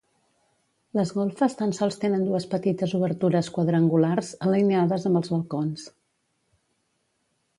Les golfes tan sols tenen dues petites obertures quadrangulars, alineades amb els balcons.